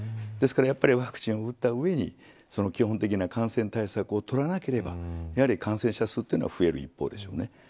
ですからワクチンを打った上に基本的な感染対策を取らなければやはり感染者数は増える一方でしょうね。